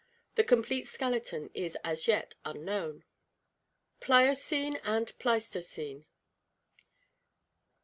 The com plete skeleton is as yet unknown. Pliocene and Pleistocene.